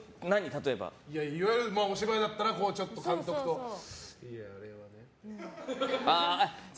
例えば。お芝居だったら監督と、あれとか。